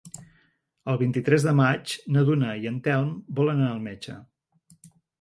El vint-i-tres de maig na Duna i en Telm volen anar al metge.